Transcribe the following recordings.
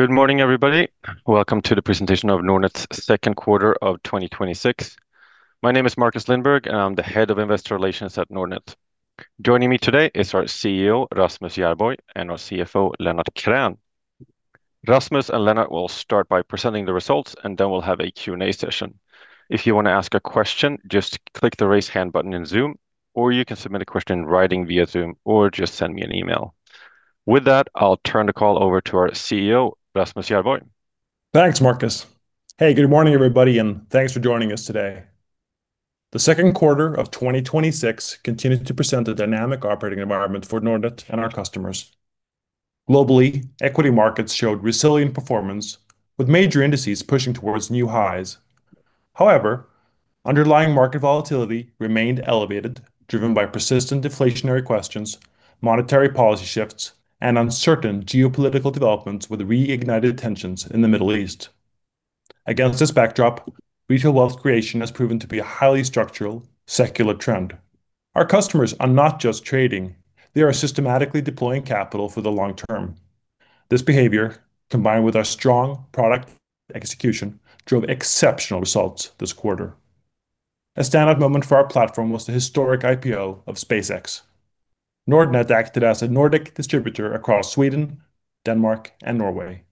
Good morning, everybody. Welcome to the presentation of Nordnet's second quarter of 2026. My name is Marcus Lindberg, and I'm the Head of Investor Relations at Nordnet. Joining me today is our CEO, Rasmus Järborg, and our CFO, Lennart Krän. Rasmus and Lennart will start by presenting the results. Then we'll have a Q&A session. If you want to ask a question, just click the raise hand button in Zoom, or you can submit a question in writing via Zoom, or just send me an email. With that, I'll turn the call over to our CEO, Rasmus Järborg. Thanks, Marcus. Hey, good morning, everybody. Thanks for joining us today. The second quarter of 2026 continued to present a dynamic operating environment for Nordnet and our customers. Globally, equity markets showed resilient performance with major indices pushing towards new highs. However, underlying market volatility remained elevated, driven by persistent deflationary questions, monetary policy shifts, and uncertain geopolitical developments with reignited tensions in the Middle East. Against this backdrop, retail wealth creation has proven to be a highly structural, secular trend. Our customers are not just trading; they are systematically deploying capital for the long term. This behavior, combined with our strong product execution, drove exceptional results this quarter. A standout moment for our platform was the historic IPO of SpaceX. Nordnet acted as a Nordic distributor across Sweden, Denmark, and Norway.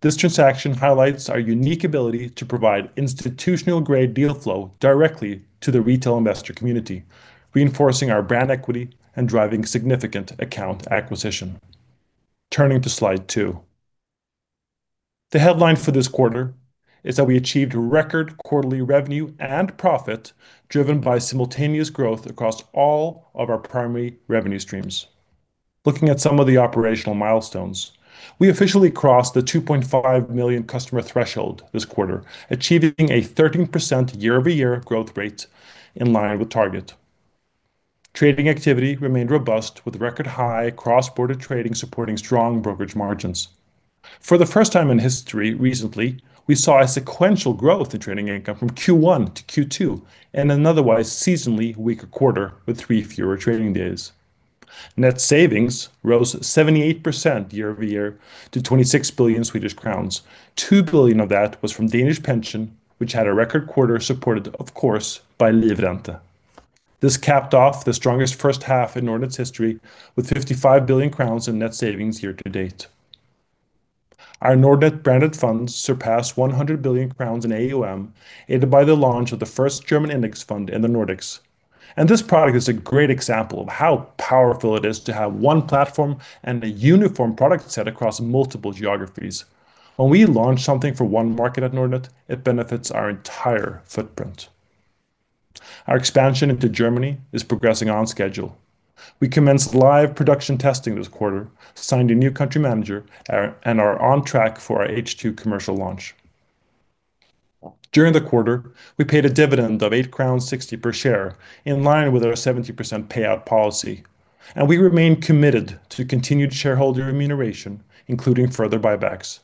This transaction highlights our unique ability to provide institutional-grade deal flow directly to the retail investor community, reinforcing our brand equity and driving significant account acquisition. Turning to slide two. The headline for this quarter is that we achieved record quarterly revenue and profit, driven by simultaneous growth across all of our primary revenue streams. Looking at some of the operational milestones, we officially crossed the 2.5 million customer threshold this quarter, achieving a 13% year-over-year growth rate in line with target. Trading activity remained robust with record high cross-border trading supporting strong brokerage margins. For the first time in history recently, we saw a sequential growth in trading income from Q1 to Q2 in an otherwise seasonally weaker quarter with three fewer trading days. Net savings rose 78% year-over-year to 26 billion Swedish crowns. 2 billion of that was from Danish Pension, which had a record quarter supported, of course, by Livrente. This capped off the strongest first half in Nordnet's history, with [26 billion crowns] in net savings year-to-date. Our Nordnet-branded funds surpassed 100 billion crowns in AUM, aided by the launch of the first German index fund in the Nordics. This product is a great example of how powerful it is to have one platform and a uniform product set across multiple geographies. When we launch something for one market at Nordnet, it benefits our entire footprint. Our expansion into Germany is progressing on schedule. We commenced live production testing this quarter, signed a new country manager, and are on track for our H2 commercial launch. During the quarter, we paid a dividend of 8.60 crowns per share, in line with our 70% payout policy. We remain committed to continued shareholder remuneration, including further buybacks.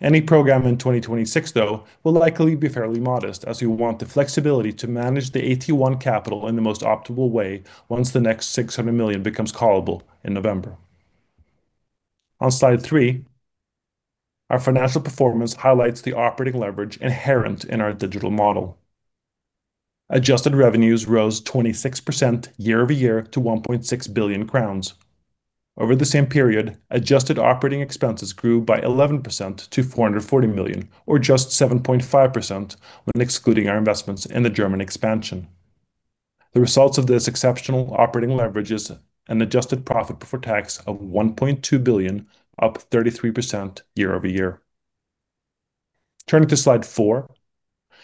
Any program in 2026, though, will likely be fairly modest as we want the flexibility to manage the AT1 capital in the most optimal way once the next 600 million becomes callable in November. On slide three, our financial performance highlights the operating leverage inherent in our digital model. Adjusted revenues rose 26% year-over-year to 1.6 billion crowns. Over the same period, adjusted operating expenses grew by 11% to 440 million, or just 7.5% when excluding our investments in the German expansion. The results of this exceptional operating leverage is an adjusted profit before tax of 1.2 billion, up 33% year-over-year. Turning to slide four,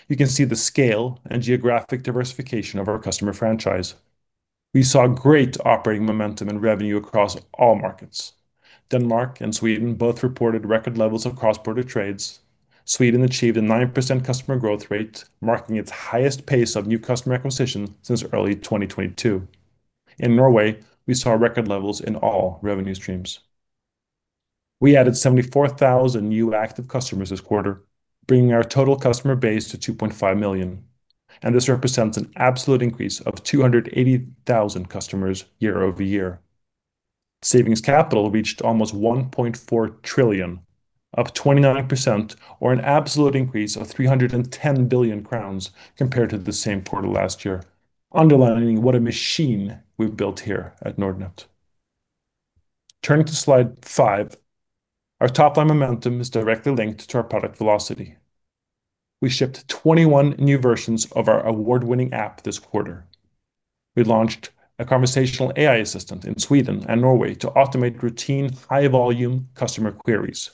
you can see the scale and geographic diversification of our customer franchise. We saw great operating momentum and revenue across all markets. Denmark and Sweden both reported record levels of cross-border trades. Sweden achieved a 9% customer growth rate, marking its highest pace of new customer acquisition since early 2022. In Norway, we saw record levels in all revenue streams. We added 74,000 new active customers this quarter, bringing our total customer base to 2.5 million. This represents an absolute increase of 280,000 customers year-over-year. Savings capital reached almost 1.4 trillion, up 29%, or an absolute increase of 310 billion crowns compared to the same quarter last year, underlining what a machine we've built here at Nordnet. Turning to slide five, our top-line momentum is directly linked to our product velocity. We shipped 21 new versions of our award-winning app this quarter. We launched a conversational AI assistant in Sweden and Norway to automate routine high-volume customer queries.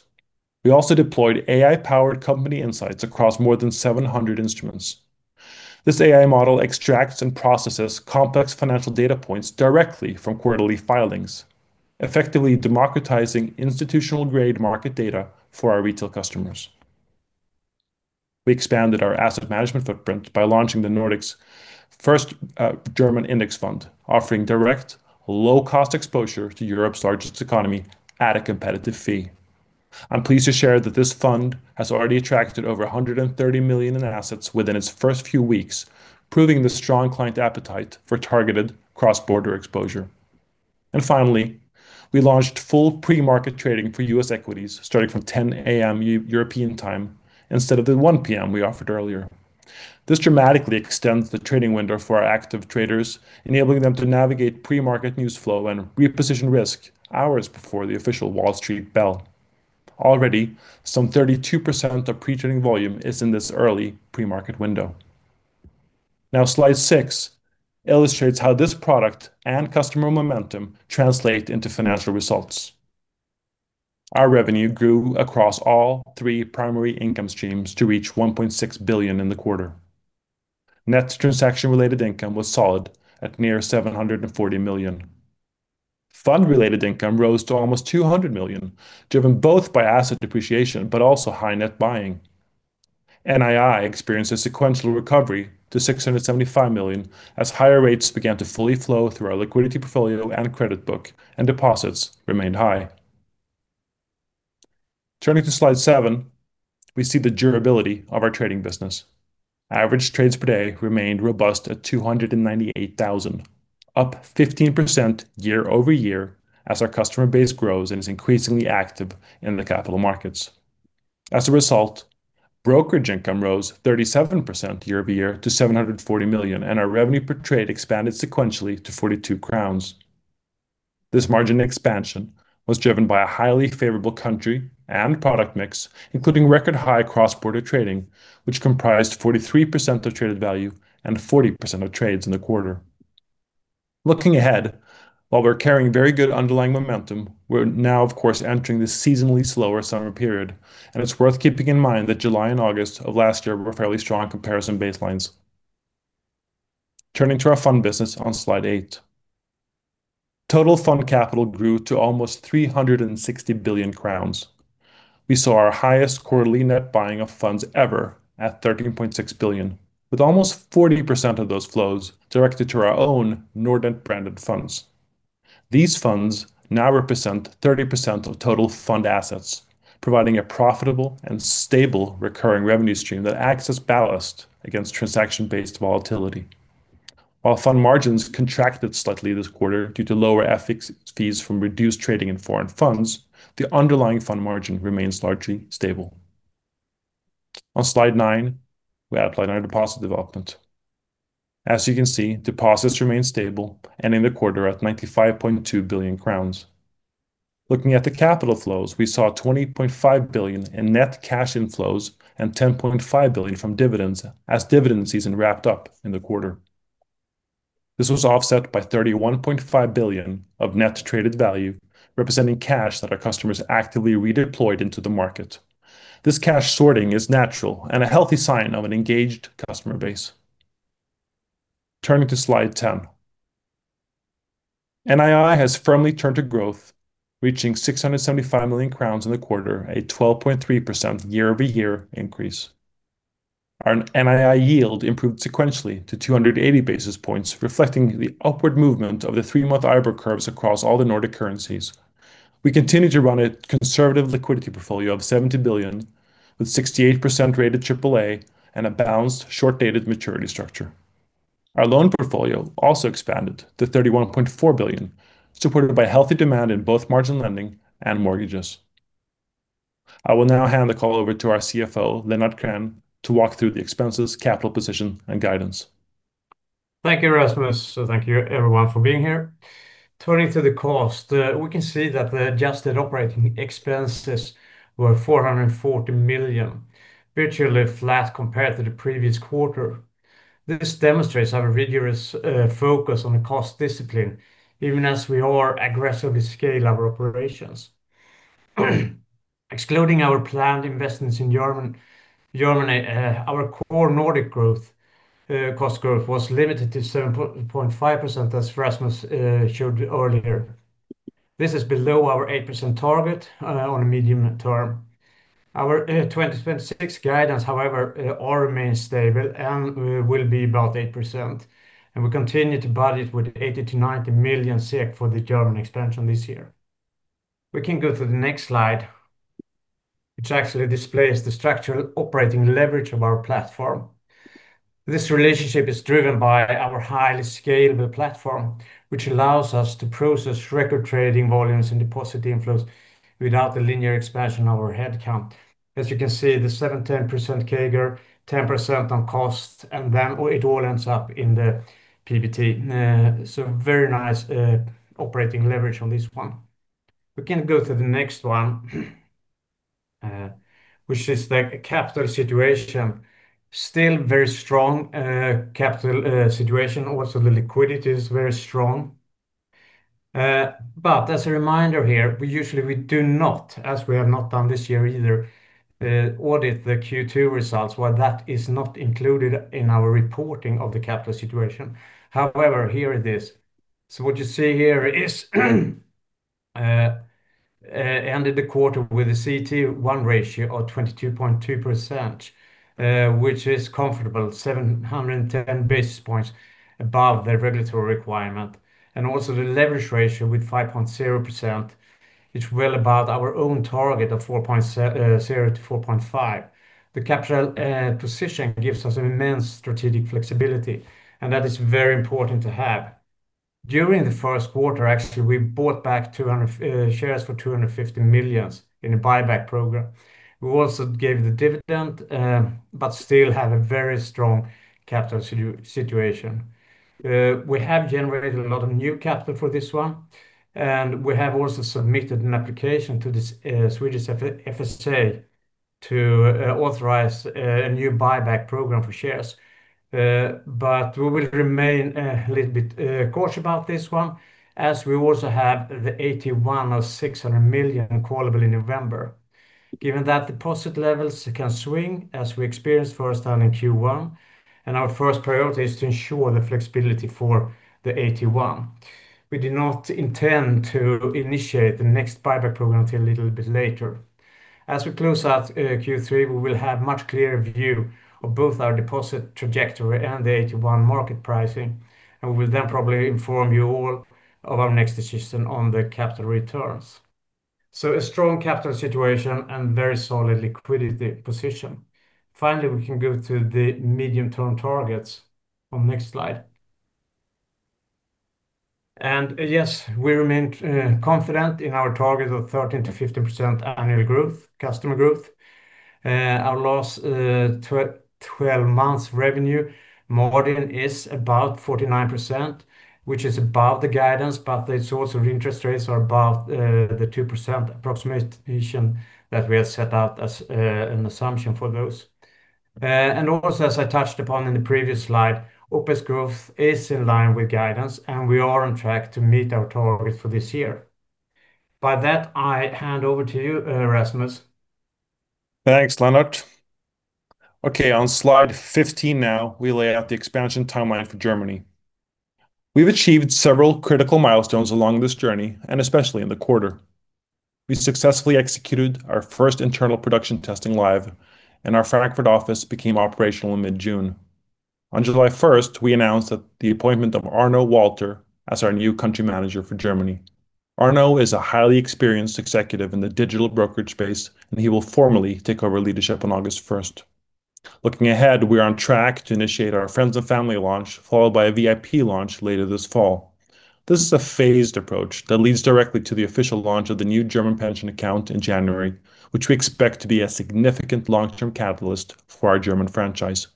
We also deployed AI-powered company insights across more than 700 instruments. This AI model extracts and processes complex financial data points directly from quarterly filings, effectively democratizing institutional-grade market data for our retail customers. We expanded our asset management footprint by launching the Nordics' first German index fund, offering direct low-cost exposure to Europe's largest economy at a competitive fee. I'm pleased to share that this fund has already attracted over 130 million in assets within its first few weeks, proving the strong client appetite for targeted cross-border exposure. Finally, we launched full pre-market trading for U.S. equities starting from 10:00 A.M. European time instead of the 1:00 P.M. we offered earlier. This dramatically extends the trading window for our active traders, enabling them to navigate pre-market news flow and reposition risk hours before the official Wall Street bell. Already, some 32% of pre-trading volume is in this early pre-market window. Slide six illustrates how this product and customer momentum translate into financial results. Our revenue grew across all three primary income streams to reach 1.6 billion in the quarter. Net transaction-related income was solid at near 740 million. Fund-related income rose to almost 200 million, driven both by asset depreciation but also high net buying. NII experienced a sequential recovery to 675 million, as higher rates began to fully flow through our liquidity portfolio and credit book. Deposits remained high. Turning to slide seven, we see the durability of our trading business. Average trades per day remained robust at 298,000, up 15% year-over-year as our customer base grows and is increasingly active in the capital markets. As a result, brokerage income rose 37% year-over-year to 740 million, and our revenue per trade expanded sequentially to 42 crowns. This margin expansion was driven by a highly favorable country and product mix, including record high cross-border trading, which comprised 43% of traded value and 40% of trades in the quarter. Looking ahead, while we're carrying very good underlying momentum, we're now of course entering the seasonally slower summer period, and it's worth keeping in mind that July and August of last year were fairly strong comparison baselines. Turning to our fund business on slide eight. Total fund capital grew to almost 360 billion crowns. We saw our highest quarterly net buying of funds ever at 13.6 billion, with almost 40% of those flows directed to our own Nordnet-branded funds. These funds now represent 30% of total fund assets, providing a profitable and stable recurring revenue stream that acts as ballast against transaction-based volatility. While fund margins contracted slightly this quarter due to lower FX fees from reduced trading in foreign funds, the underlying fund margin remains largely stable. On slide nine, we outline our deposit development. As you can see, deposits remain stable and in the quarter at 95.2 billion crowns. Looking at the capital flows, we saw 20.5 billion in net cash inflows and 10.5 billion from dividends as dividend season wrapped up in the quarter. This was offset by 31.5 billion of net traded value, representing cash that our customers actively redeployed into the market. This cash sorting is natural and a healthy sign of an engaged customer base. Turning to slide 10. NII has firmly turned to growth, reaching 675 million crowns in the quarter, a 12.3% year-over-year increase. Our NII yield improved sequentially to 280 basis points, reflecting the upward movement of the three-month IBOR curves across all the Nordic currencies. We continue to run a conservative liquidity portfolio of 70 billion with 68% rated AAA and a balanced short-dated maturity structure. Our loan portfolio also expanded to 31.4 billion, supported by healthy demand in both margin lending and mortgages. I will now hand the call over to our CFO, Lennart Krän, to walk through the expenses, capital position, and guidance. Thank you, Rasmus. Thank you everyone for being here. Turning to the cost, we can see that the adjusted operating expenses were 440 million, virtually flat compared to the previous quarter. This demonstrates our rigorous focus on cost discipline, even as we are aggressively scaling our operations. Excluding our planned investments in Germany, our core Nordic cost growth was limited to 7.5%, as Rasmus showed earlier. This is below our 8% target on a medium term. Our 2026 guidance, however, all remains stable and will be about 8%, and we continue to budget with 80 million-90 million SEK for the German expansion this year. We can go to the next slide, which actually displays the structural operating leverage of our platform. This relationship is driven by our highly scalable platform, which allows us to process record trading volumes and deposit inflows without the linear expansion of our headcount. As you can see, the 10% CAGR, 10% on cost, and then it all ends up in the PBT. Very nice operating leverage on this one. We can go to the next one, which is the capital situation. Still very strong capital situation. Also, the liquidity is very strong. As a reminder here, we usually do not, as we have not done this year either, audit the Q2 results while that is not included in our reporting of the capital situation. Here it is. What you see here is, ended the quarter with a CET1 ratio of 22.2%, which is comfortable [710] basis points above the regulatory requirement, and also the leverage ratio with 5.0%, it is well above our own target of 4.0%-4.5%. The capital position gives us immense strategic flexibility, and that is very important to have. During the first quarter, actually, we bought back shares for 250 million in a buyback program. We also gave the dividend. Still have a very strong capital situation. We have generated a lot of new capital for this one, and we have also submitted an application to the Swedish FSA to authorize a new buyback program for shares. We will remain a little bit cautious about this one as we also have the AT1 of 600 million callable in November. Given that deposit levels can swing as we experienced first time in Q1, our first priority is to ensure the flexibility for the AT1. We do not intend to initiate the next buyback program till a little bit later. As we close out Q3, we will have much clearer view of both our deposit trajectory and the AT1 market pricing. We will then probably inform you all of our next decision on the capital returns. A strong capital situation and very solid liquidity position. Finally, we can go to the medium-term targets on next slide. Yes, we remain confident in our target of 13%-15% annual customer growth. Our last 12 months revenue margin is about 49%, which is above the guidance, but it is also the interest rates are above the 2% approximation that we have set out as an assumption for those. Also, as I touched upon in the previous slide, OpEx growth is in line with guidance, and we are on track to meet our targets for this year. By that, I hand over to you, Rasmus. Thanks, Lennart. On slide 15 now, we lay out the expansion timeline for Germany. We have achieved several critical milestones along this journey, especially in the quarter. We successfully executed our first internal production testing live. Our Frankfurt office became operational in mid-June. On July 1st, we announced that the appointment of Arno Walter as our new Country Manager for Germany. Arno is a highly experienced executive in the digital brokerage space, and he will formally take over leadership on August 1st. Looking ahead, we are on track to initiate our friends and family launch, followed by a VIP launch later this fall. This is a phased approach that leads directly to the official launch of the new German pension account in January, which we expect to be a significant long-term catalyst for our German franchise.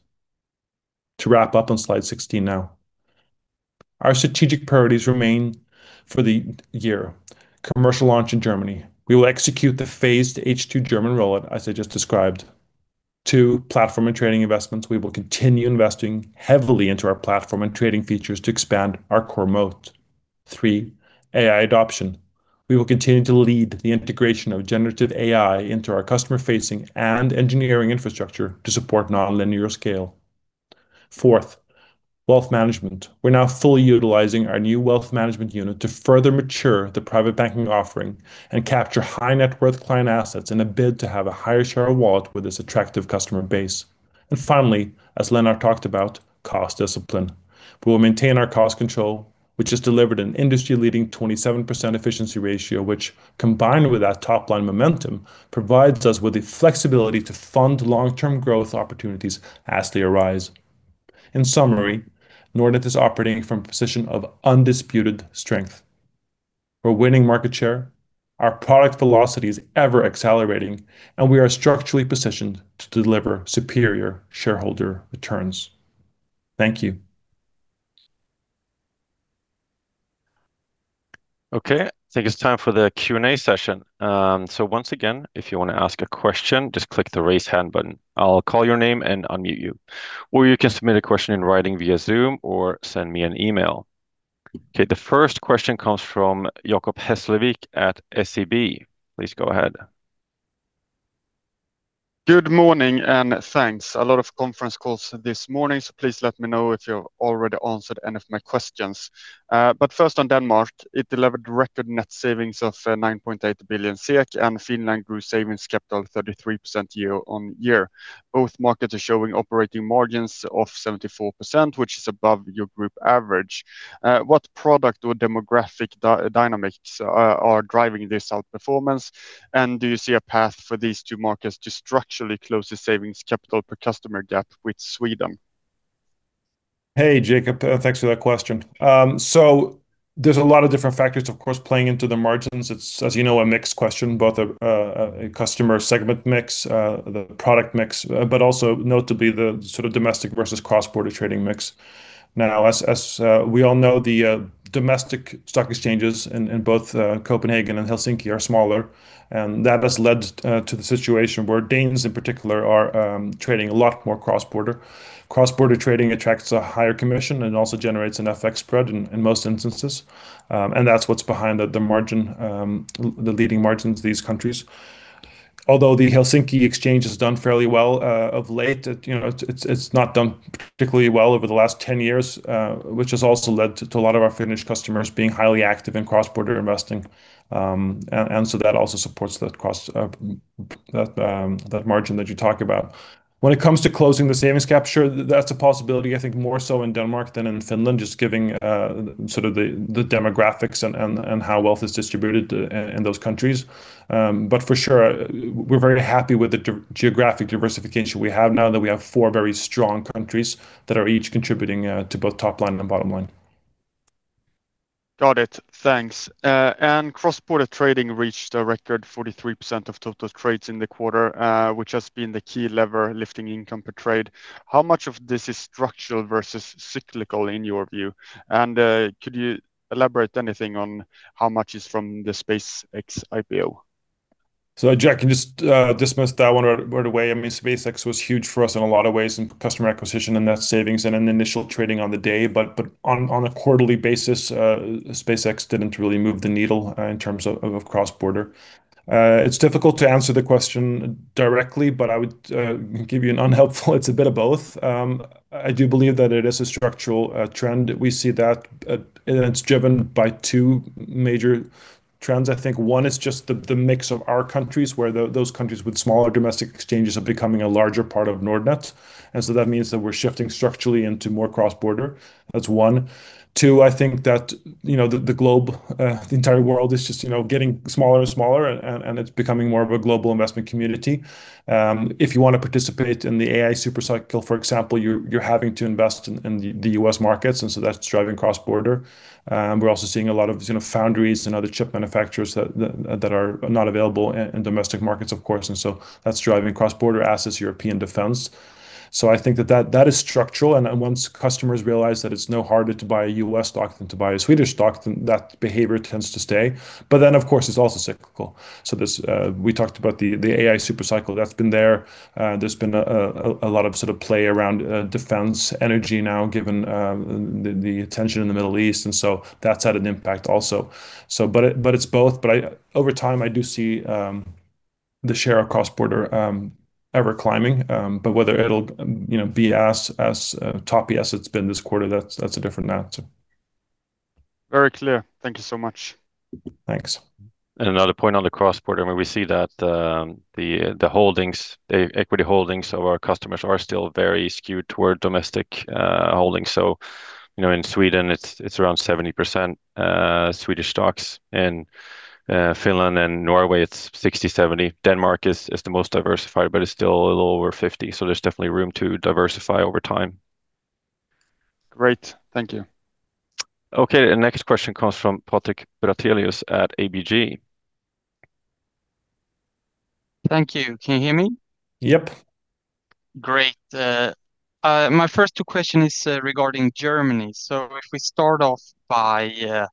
To wrap up on slide 16 now. Our strategic priorities remain for the year. Commercial launch in Germany. We will execute the phased H2 German rollout, as I just described. Two, platform and trading investments. We will continue investing heavily into our platform and trading features to expand our core moat. Three, AI adoption. We will continue to lead the integration of generative AI into our customer-facing and engineering infrastructure to support nonlinear scale. Fourth, Wealth Management. We are now fully utilizing our new Wealth Management unit to further mature the private banking offering and capture high net worth client assets in a bid to have a higher share of wallet with this attractive customer base. Finally, as Lennart talked about, cost discipline. We will maintain our cost control, which has delivered an industry-leading 27% efficiency ratio, which, combined with that top-line momentum, provides us with the flexibility to fund long-term growth opportunities as they arise. In summary, Nordnet is operating from a position of undisputed strength. We are winning market share, our product velocity is ever accelerating, and we are structurally positioned to deliver superior shareholder returns. Thank you. Okay, I think it is time for the Q&A session. Once again, if you want to ask a question, just click the Raise Hand button. I will call your name and unmute you. Or you can submit a question in writing via Zoom or send me an email. Okay. The first question comes from Jacob Hesslevik at SEB. Please go ahead. Good morning, thanks. A lot of conference calls this morning, please let me know if you have already answered any of my questions. First on Denmark, it delivered record net savings of 9.8 billion SEK, and Finland grew savings capital 33% year-on-year. Both markets are showing operating margins of 74%, which is above your group average. What product or demographic dynamics are driving this outperformance? Do you see a path for these two markets to structurally close the savings capital per customer gap with Sweden? Hey, Jacob. Thanks for that question. There's a lot of different factors, of course, playing into the margins. It's, as you know, a mixed question, both a customer segment mix, the product mix, but also notably the sort of domestic versus cross-border trading mix. As we all know, the domestic stock exchanges in both Copenhagen and Helsinki are smaller, and that has led to the situation where Danes, in particular, are trading a lot more cross-border. Cross-border trading attracts a higher commission and also generates an FX spread in most instances. That's what's behind the leading margins of these countries. Although the Helsinki exchange has done fairly well of late, it's not done particularly well over the last 10 years, which has also led to a lot of our Finnish customers being highly active in cross-border investing. That also supports that margin that you talk about. When it comes to closing the savings capture, that's a possibility, I think, more so in Denmark than in Finland, just given sort of the demographics and how wealth is distributed in those countries. For sure, we're very happy with the geographic diversification we have now that we have four very strong countries that are each contributing to both top line and bottom line. Got it. Thanks. Cross-border trading reached a record 43% of total trades in the quarter, which has been the key lever lifting income per trade. How much of this is structural versus cyclical in your view? Could you elaborate anything on how much is from the SpaceX IPO? Jack, can just dismiss that one right away. SpaceX was huge for us in a lot of ways in customer acquisition and net savings and an initial trading on the day. On a quarterly basis, SpaceX didn't really move the needle in terms of cross-border. It's difficult to answer the question directly, but I would give you an unhelpful, it's a bit of both. I do believe that it is a structural trend. We see that it's driven by two major trends, I think. One is just the mix of our countries, where those countries with smaller domestic exchanges are becoming a larger part of Nordnet. That means that we're shifting structurally into more cross-border. That's one. Two, I think that the globe, the entire world is just getting smaller and smaller and it's becoming more of a global investment community. If you want to participate in the AI super cycle, for example, you're having to invest in the U.S. markets, that's driving cross-border. We're also seeing a lot of foundries and other chip manufacturers that are not available in domestic markets, of course. That's driving cross-border assets, European defense. I think that is structural, and once customers realize that it's no harder to buy a U.S. stock than to buy a Swedish stock, then that behavior tends to stay. Of course, it's also cyclical. We talked about the AI super cycle that's been there. There's been a lot of play around defense energy now given the tension in the Middle East. That's had an impact also. It's both. Over time, I do see the share of cross-border ever climbing. Whether it'll be as toppy as it's been this quarter, that's a different answer. Very clear. Thank you so much. Thanks. Another point on the cross-border, we see that the equity holdings of our customers are still very skewed toward domestic holdings. In Sweden it's around 70% Swedish stocks. In Finland and Norway it's 60%, 70%. Denmark is the most diversified, but it's still a little over 50%, so there's definitely room to diversify over time. Great. Thank you. The next question comes from Patrik Brattelius at ABG. Thank you. Can you hear me? Yes. Great. My first two question is regarding Germany. If we start off by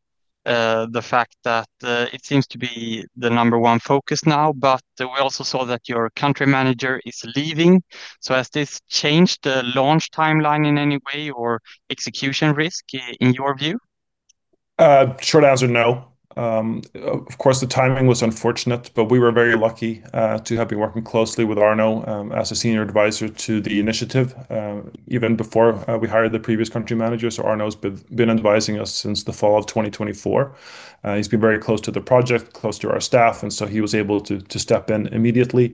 the fact that it seems to be the number one focus now, but we also saw that your Country Manager is leaving. Has this changed the launch timeline in any way, or execution risk, in your view? Short answer, no. Of course, the timing was unfortunate, but we were very lucky to have been working closely with Arno as a Senior Advisor to the initiative even before we hired the previous Country Manager. Arno's been advising us since the fall of 2024. He's been very close to the project, close to our staff, he was able to step in immediately,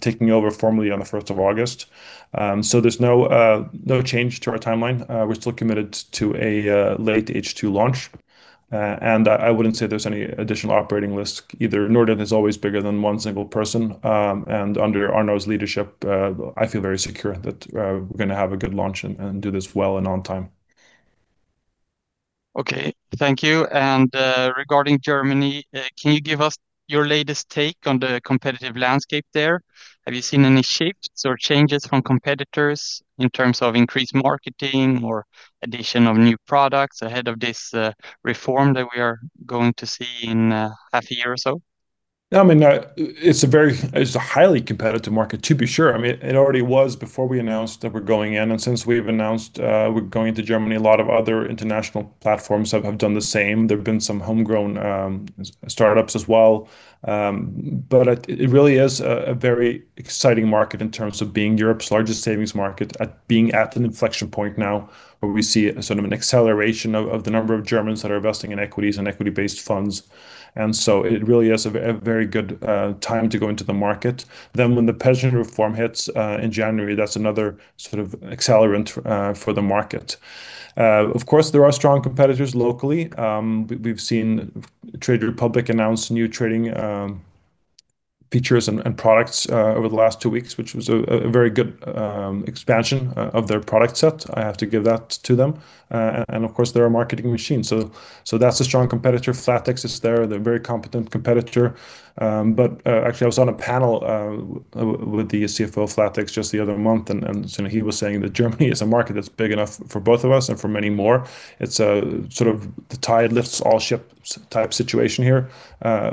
taking over formally on the 1st of August. There's no change to our timeline. We're still committed to a late H2 launch. I wouldn't say there's any additional operating risk either. Nordnet is always bigger than one single person. Under Arno's leadership, I feel very secure that we're going to have a good launch and do this well and on time. Okay, thank you. Regarding Germany, can you give us your latest take on the competitive landscape there? Have you seen any shifts or changes from competitors in terms of increased marketing or addition of new products ahead of this reform that we are going to see in half a year or so? It's a highly competitive market, to be sure. It already was before we announced that we're going in, since we've announced we're going into Germany, a lot of other international platforms have done the same. There have been some homegrown startups as well. It really is a very exciting market in terms of being Europe's largest savings market, being at an inflection point now where we see an acceleration of the number of Germans that are investing in equities and equity-based funds. It really is a very good time to go into the market. When the pension reform hits in January, that's another accelerant for the market. Of course, there are strong competitors locally. We've seen Trade Republic announce new trading features and products over the last two weeks, which was a very good expansion of their product set. I have to give that to them. Of course, they're a marketing machine. That's a strong competitor. Flatex is there. They're a very competent competitor. Actually, I was on a panel with the CFO of flatex just the other month, and he was saying that Germany is a market that's big enough for both of us and for many more. It's a the tide lifts all ships type situation here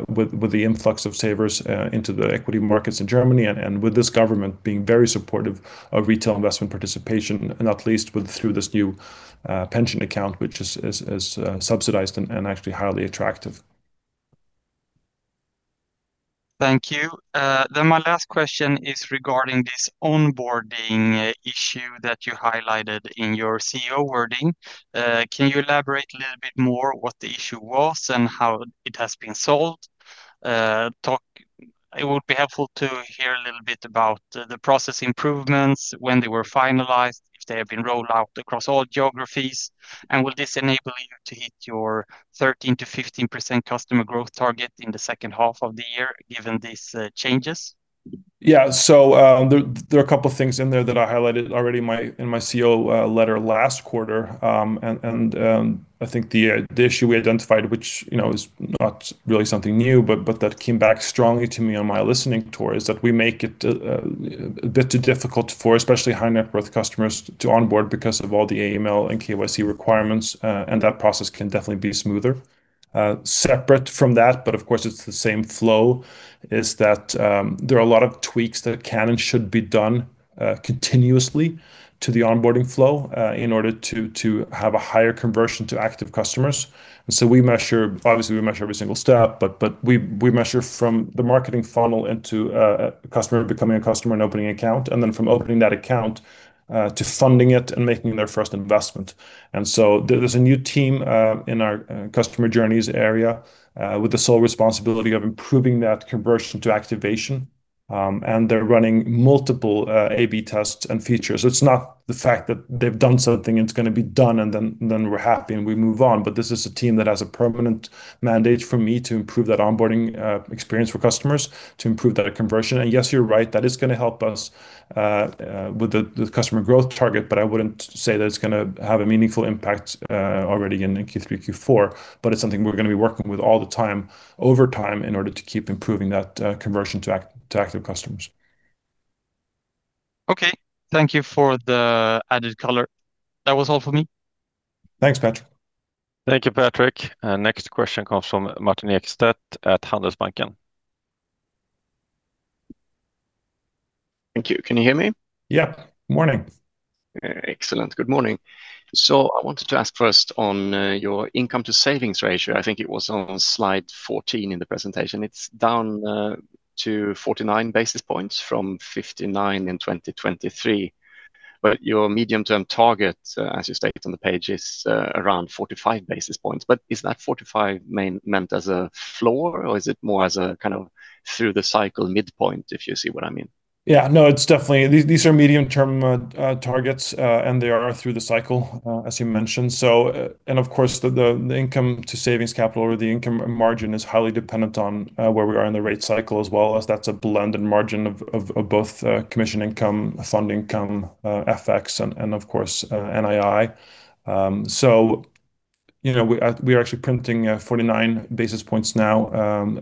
with the influx of savers into the equity markets in Germany and with this government being very supportive of retail investment participation, not least through this new pension account, which is subsidized and actually highly attractive. Thank you. My last question is regarding this onboarding issue that you highlighted in your CEO wording. Can you elaborate a little bit more what the issue was and how it has been solved? It would be helpful to hear a little bit about the process improvements, when they were finalized, if they have been rolled out across all geographies, and will this enable you to hit your 13%-15% customer growth target in the second half of the year given these changes? Yeah. There are a couple of things in there that I highlighted already in my CEO letter last quarter. I think the issue we identified, which is not really something new, but that came back strongly to me on my listening tour, is that we make it a bit too difficult for especially high net worth customers to onboard because of all the AML and KYC requirements, and that process can definitely be smoother. Separate from that, but of course it's the same flow, is that there are a lot of tweaks that can and should be done continuously to the onboarding flow in order to have a higher conversion to active customers. Obviously, we measure every single step, but we measure from the marketing funnel into a customer becoming a customer and opening an account, and then from opening that account to funding it and making their first investment. There's a new team in our customer journeys area with the sole responsibility of improving that conversion to activation, and they're running multiple A/B tests and features. It's not the fact that they've done something and it's going to be done and then we're happy and we move on. This is a team that has a permanent mandate from me to improve that onboarding experience for customers, to improve that conversion. Yes, you're right, that is going to help us with the customer growth target, I wouldn't say that it's going to have a meaningful impact already in Q3, Q4, it's something we're going to be working with all the time, over time, in order to keep improving that conversion to active customers. Okay. Thank you for the added color. That was all for me. Thanks, Patrik. Thank you, Patrik. Next question comes from Martin Ekstedt at Handelsbanken. Thank you. Can you hear me? Yep. Morning. Excellent. Good morning. I wanted to ask first on your income to savings ratio, I think it was on slide 14 in the presentation. It is down to 49 basis points from 59 basis points in 2023. Your medium-term target, as you state on the page, is around 45 basis points. Is that 45 basis points meant as a floor, or is it more as a kind of through the cycle midpoint, if you see what I mean? Yeah. No, these are medium-term targets. They are through the cycle, as you mentioned. Of course, the income to savings capital or the income margin is highly dependent on where we are in the rate cycle as well, as that is a blended margin of both commission income, fund income, FX, and of course, NII. We are actually printing 49 basis points now,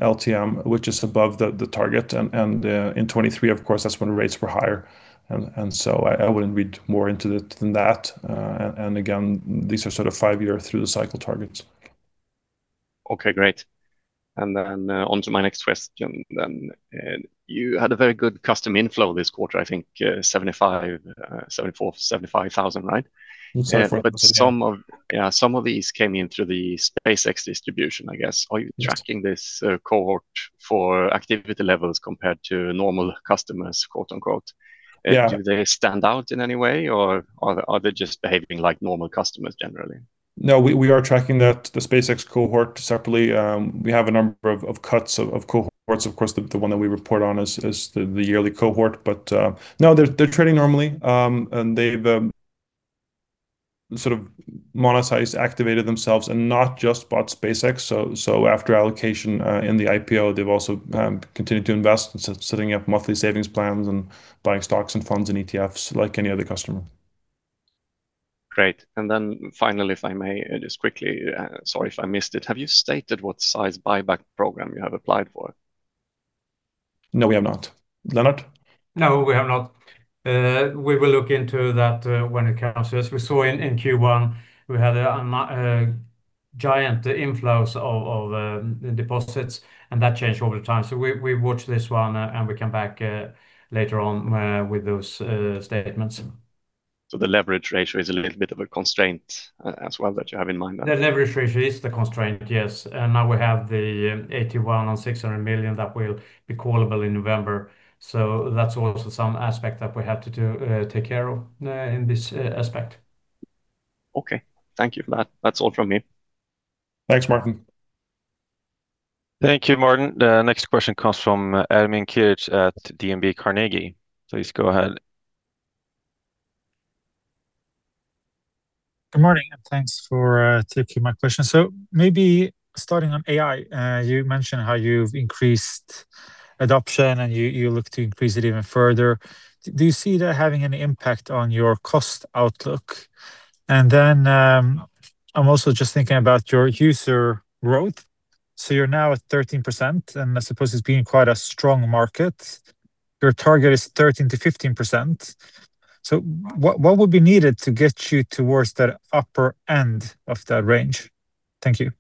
LTM, which is above the target. In 2023, of course, that is when rates were higher. I wouldn't read more into it than that. Again, these are sort of five-year through the cycle targets. Okay, great. Onto my next question then. You had a very good custom inflow this quarter, I think 74,000, 75,000, right? 74,000. yeah. Some of these came in through the SpaceX distribution, I guess. Are you tracking this cohort for activity levels compared to normal customers, quote, unquote? Yeah. Do they stand out in any way, or are they just behaving like normal customers generally? No, we are tracking the SpaceX cohort separately. We have a number of cuts of cohorts. Of course, the one that we report on is the yearly cohort. No, they're trading normally, and they've sort of monetized, activated themselves, and not just bought SpaceX. After allocation in the IPO, they've also continued to invest in setting up monthly savings plans and buying stocks and funds and ETFs like any other customer. Great. Finally, if I may just quickly, sorry if I missed it. Have you stated what size buyback program you have applied for? No, we have not. Lennart? No, we have not. We will look into that when it comes to this. We saw in Q1, we had a giant inflows of deposits and that changed over time. We watch this one, and we come back later on with those statements. The leverage ratio is a little bit of a constraint as well that you have in mind then. The leverage ratio is the constraint, yes. Now we have the AT1 on 600 million that will be callable in November. That's also some aspect that we have to take care of in this aspect. Okay. Thank you for that. That's all from me. Thanks, Martin. Thank you, Martin. The next question comes from Ermin Keric at DNB Carnegie. Please go ahead. Good morning, thanks for taking my question. Maybe starting on AI, you mentioned how you've increased adoption, and you look to increase it even further. Do you see that having an impact on your cost outlook? I'm also just thinking about your user growth. You're now at 13%, and I suppose it's been quite a strong market. Your target is 13%-15%. What would be needed to get you towards that upper end of that range? Thank you.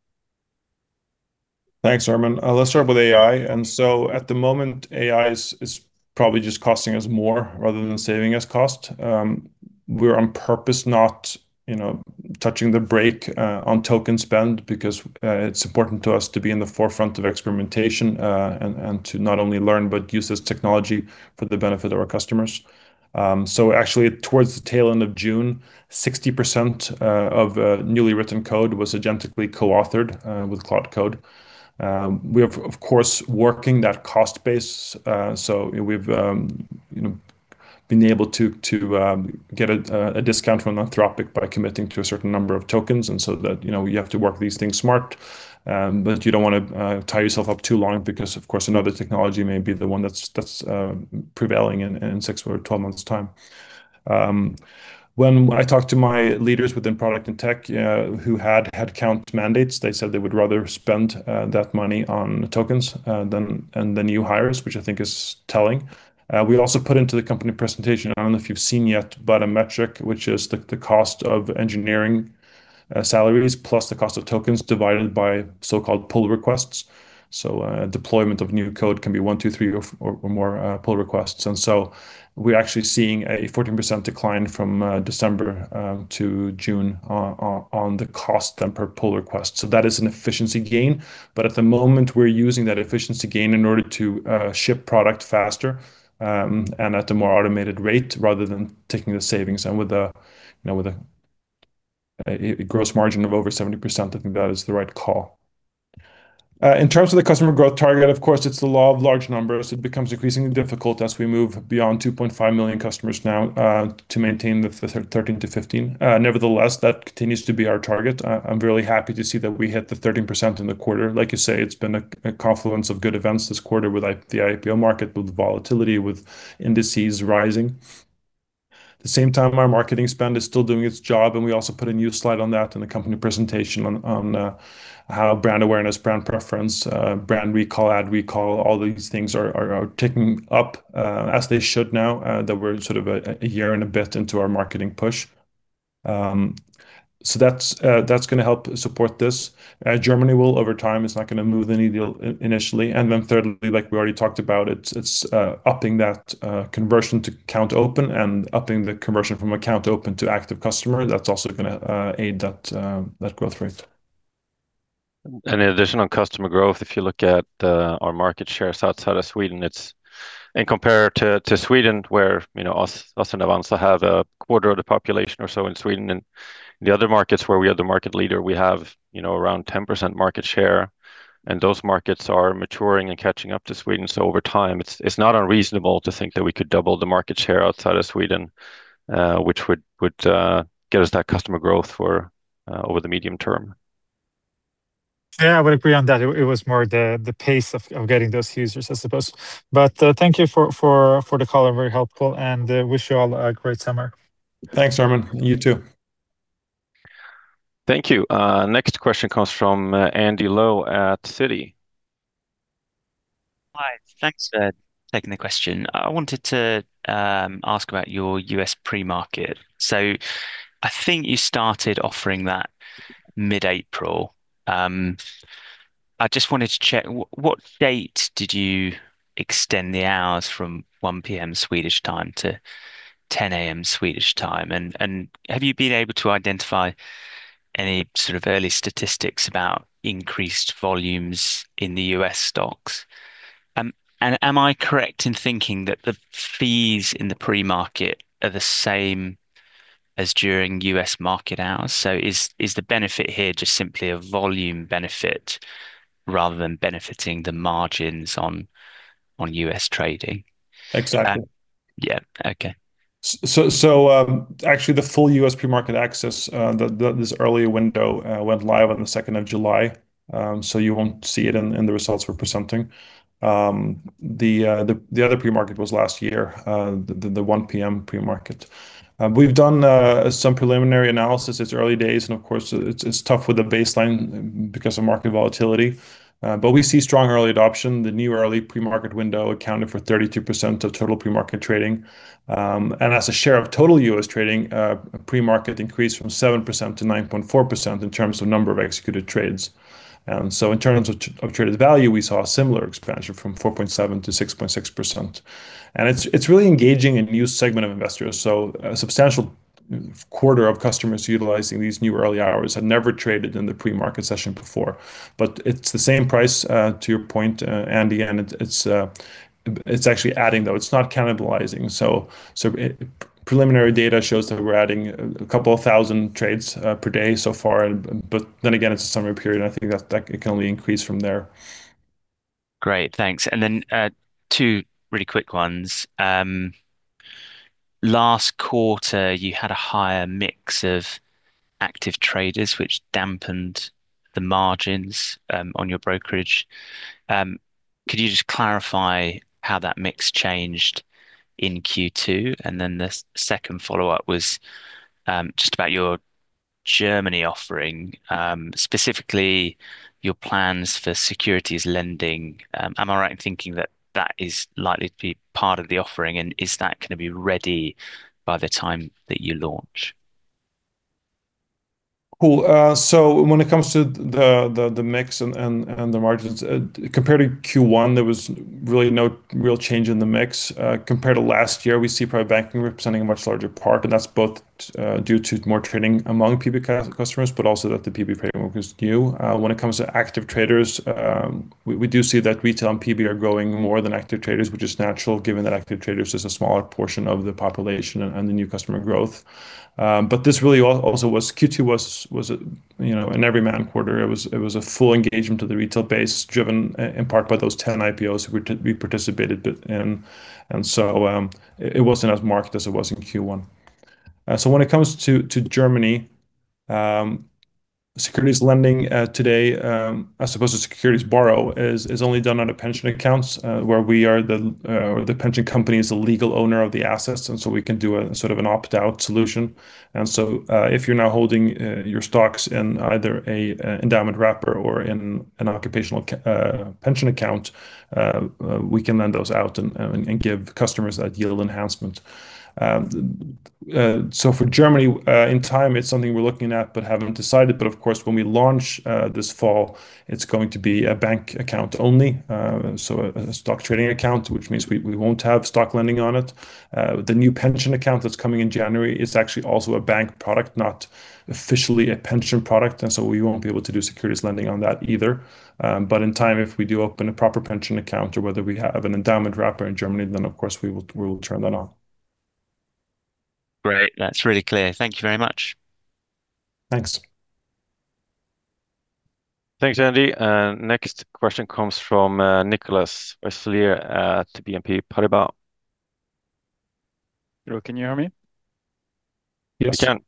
Thanks, Ermin. Let's start with AI. At the moment, AI is probably just costing us more rather than saving us cost. We're on purpose, not touching the brake on token spend because it's important to us to be in the forefront of experimentation, and to not only learn but use this technology for the benefit of our customers. Actually, towards the tail end of June, 60% of newly written code was agentically coauthored with Claude Code. We are, of course, working that cost base. We've been able to get a discount from Anthropic by committing to a certain number of tokens. You have to work these things smart, but you don't want to tie yourself up too long because, of course, another technology may be the one that's prevailing in 6 or 12 months' time. When I talked to my leaders within product and tech who had headcount mandates, they said they would rather spend that money on tokens than on the new hires, which I think is telling. We also put into the company presentation, I don't know if you've seen yet, but a metric which is the cost of engineering salaries plus the cost of tokens divided by so-called pull requests. Deployment of new code can be one, two, three, or more pull requests. We're actually seeing a 14% decline from December to June on the cost per pull request. That is an efficiency gain. At the moment, we're using that efficiency gain in order to ship product faster, and at a more automated rate, rather than taking the savings. With a gross margin of over 70%, I think that is the right call. In terms of the customer growth target, of course, it's the law of large numbers. It becomes increasingly difficult as we move beyond 2.5 million customers now, to maintain the 13%-15%. Nevertheless, that continues to be our target. I'm really happy to see that we hit the 13% in the quarter. Like you say, it's been a confluence of good events this quarter with the IPO market, with volatility, with indices rising. At the same time, our marketing spend is still doing its job, and we also put a new slide on that in the company presentation on how brand awareness, brand preference, brand recall, ad recall, all these things are ticking up as they should now, that we're a year and a bit into our marketing push. That's going to help support this. Germany will, over time. It's not going to move the needle initially. Thirdly, like we already talked about, it's upping that conversion to account open and upping the conversion from account open to active customer. That's also going to aid that growth rate. In addition, on customer growth, if you look at our market shares outside of Sweden, and compared to Sweden, where us and Avanza have a quarter of the population or so in Sweden, in the other markets where we are the market leader, we have around 10% market share, and those markets are maturing and catching up to Sweden. Over time, it's not unreasonable to think that we could double the market share outside of Sweden, which would get us that customer growth over the medium term. Yeah, I would agree on that. It was more the pace of getting those users, I suppose. Thank you for the call, very helpful, and wish you all a great summer. Thanks, Ermin. You too. Thank you. Next question comes from Andrew Lowe at Citi. Hi. Thanks for taking the question. I wanted to ask about your U.S. pre-market. I think you started offering that mid-April. I just wanted to check, what date did you extend the hours from 1:00 P.M. Swedish time to 10:00 A.M. Swedish time? Have you been able to identify any sort of early statistics about increased volumes in the U.S. stocks? Am I correct in thinking that the fees in the pre-market are the same as during U.S. market hours? Is the benefit here just simply a volume benefit rather than benefiting the margins on U.S. trading? Exactly. Yeah. Okay. Actually, the full U.S. pre-market access, this early window, went live on the 2nd of July, you won't see it in the results we're presenting. The other pre-market was last year, the 1:00 P.M. pre-market. We've done some preliminary analysis. It's early days, and of course, it's tough with a baseline because of market volatility. We see strong early adoption. The new early pre-market window accounted for 33% of total pre-market trading. As a share of total U.S. trading, pre-market increased from 7%-9.4% in terms of number of executed trades. In terms of traded value, we saw a similar expansion from 4.7%-6.6%. It's really engaging a new segment of investors. A substantial quarter of customers utilizing these new early hours had never traded in the pre-market session before. It's the same price, to your point, Andy, it's actually adding, though. It's not cannibalizing. Preliminary data shows that we're adding a couple of 1,000 trades per day so far. It's a summer period, and I think that can only increase from there. Great. Thanks. Two really quick ones. Last quarter, you had a higher mix of active traders, which dampened the margins on your brokerage. Could you just clarify how that mix changed in Q2? The second follow-up was just about your Germany offering, specifically your plans for securities lending. Am I right in thinking that that is likely to be part of the offering, and is that going to be ready by the time that you launch? Cool. When it comes to the mix and the margins, compared to Q1, there was really no real change in the mix. Compared to last year, we see private banking representing a much larger part, and that's both due to more trading among PB customers, but also that the PB offering is new. When it comes to active traders, we do see that retail and PB are growing more than active traders, which is natural given that active traders is a smaller portion of the population and the new customer growth. This really also was, Q2 was an every man quarter. It was a full engagement of the retail base, driven in part by those 10 IPOs we participated in. It wasn't as marked as it was in Q1. When it comes to Germany, securities lending today, as opposed to securities borrow, is only done under pension accounts where the pension company is the legal owner of the assets, we can do a sort of an opt-out solution. If you're now holding your stocks in either an endowment wrapper or in an occupational pension account, we can lend those out and give customers a yield enhancement. For Germany, in time, it's something we're looking at but haven't decided. Of course, when we launch this fall, it's going to be a bank account only, so a stock trading account, which means we won't have stock lending on it. The new pension account that's coming in January is actually also a bank product, not officially a pension product, we won't be able to do securities lending on that either. In time, if we do open a proper pension account or whether we have an endowment wrapper in Germany, of course we will turn that on. Great. That's really clear. Thank you very much. Thanks. Thanks, Andy. Next question comes from Nicolas Vaysselier at BNP Paribas. Hello, can you hear me? Yes. We can.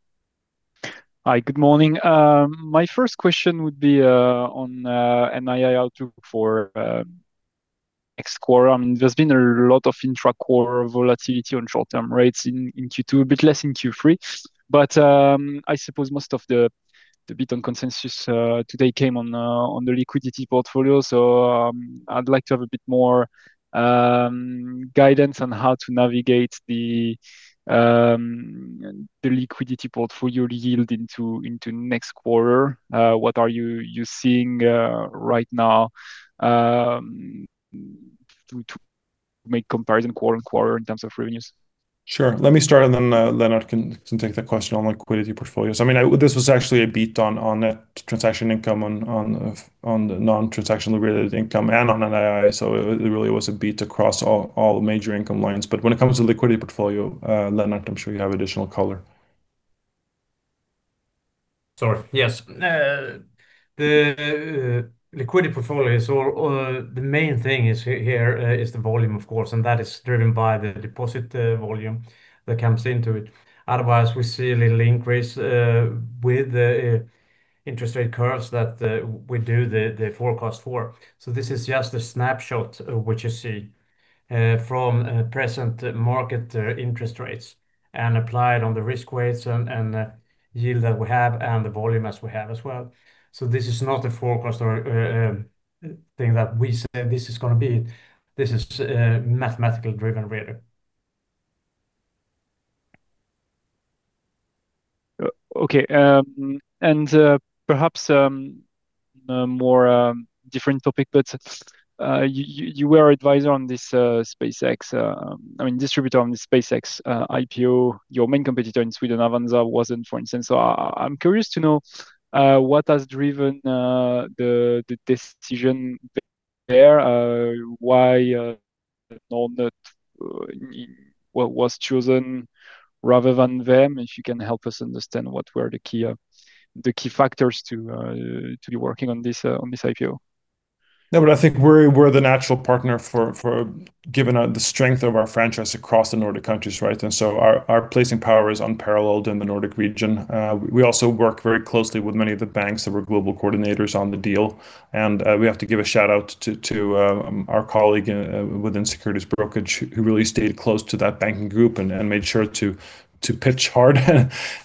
Hi, good morning. My first question would be on [NII L2 for X quorum]. There's been a lot of intra-quarter volatility on short-term rates in Q2, a bit less in Q3. I suppose most of the beat on consensus today came on the liquidity portfolio. I'd like to have a bit more guidance on how to navigate the liquidity portfolio yield into next quarter. What are you seeing right now to make comparison quarter-on-quarter in terms of revenues? Sure. Let me start. Lennart can take that question on liquidity portfolios. This was actually a beat on net transaction income on the non-transaction related income and on NII, it really was a beat across all major income lines. When it comes to liquidity portfolio, Lennart, I'm sure you have additional color. Sorry. Yes. The liquidity portfolio, the main thing here is the volume, of course, that is driven by the deposit volume that comes into it. Otherwise, we see a little increase with the interest rate curves that we do the forecast for. This is just a snapshot of what you see from present market interest rates applied on the risk weights and the yield that we have the volume as we have as well. This is not a forecast or a thing that we say this is going to be. This is mathematically driven, really. Perhaps a more different topic, you were advisor on this SpaceX distributor on the SpaceX IPO. Your main competitor in Sweden, Avanza, wasn't, for instance. I'm curious to know what has driven the decision there, why Nordnet was chosen rather than them, if you can help us understand what were the key factors to be working on this IPO. I think we're the natural partner given the strength of our franchise across the Nordic countries, right? Our placing power is unparalleled in the Nordic region. We also work very closely with many of the banks that were global coordinators on the deal. We have to give a shout-out to our colleague within Securities Brokerage who really stayed close to that banking group and made sure to pitch hard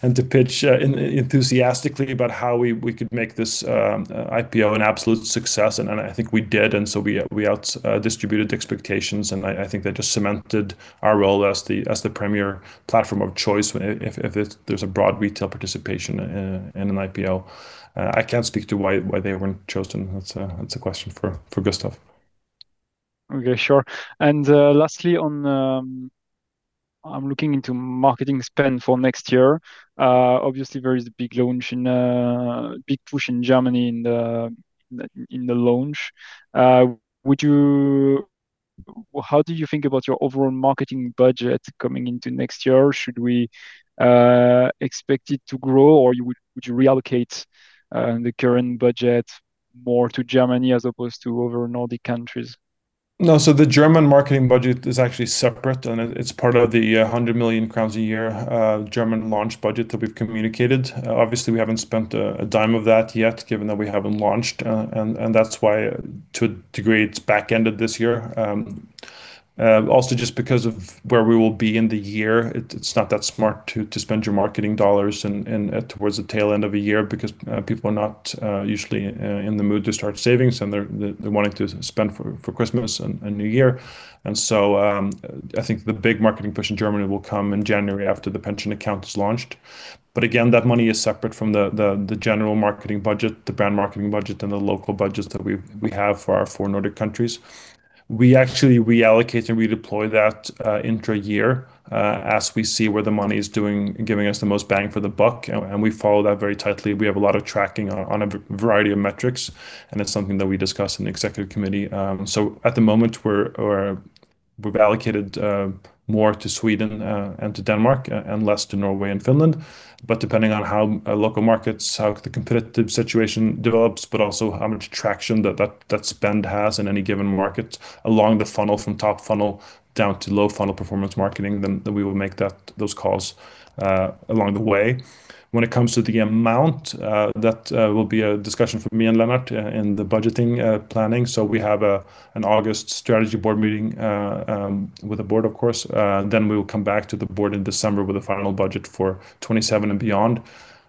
and to pitch enthusiastically about how we could make this IPO an absolute success, I think we did. We out distributed the expectations, I think that just cemented our role as the premier platform of choice if there's a broad retail participation in an IPO. I can't speak to why they weren't chosen. That's a question for Gustaf. Okay, sure. Lastly, I'm looking into marketing spend for next year. Obviously, there is a big push in Germany in the launch. How do you think about your overall marketing budget coming into next year? Should we expect it to grow, or would you reallocate the current budget more to Germany as opposed to over Nordic countries? The German marketing budget is actually separate, it's part of the 100 million crowns a year German launch budget that we've communicated. Obviously, we haven't spent a dime of that yet, given that we haven't launched, that's why, to a degree, it's back end of this year. Just because of where we will be in the year, it's not that smart to spend your marketing dollars towards the tail end of a year because people are not usually in the mood to start savings, they're wanting to spend for Christmas and New Year. I think the big marketing push in Germany will come in January after the pension account is launched. Again, that money is separate from the general marketing budget, the brand marketing budget, and the local budgets that we have for our four Nordic countries. We actually reallocate and redeploy that intra year as we see where the money is giving us the most bang for the buck, and we follow that very tightly. We have a lot of tracking on a variety of metrics, and it's something that we discuss in the executive committee. At the moment, we've allocated more to Sweden and to Denmark and less to Norway and Finland. Depending on how local markets, how the competitive situation develops, but also how much traction that spend has in any given market along the funnel, from top funnel down to low funnel performance marketing, then we will make those calls along the way. When it comes to the amount, that will be a discussion for me and Lennart in the budgeting planning. We have an August strategy Board meeting with the Board, of course. We will come back to the Board in December with a final budget for 2027 and beyond.